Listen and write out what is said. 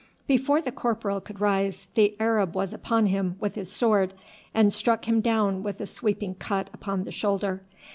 Before the corporal could rise the Arab was upon him with his sword, and struck him down with a sweeping cut upon the shoulder.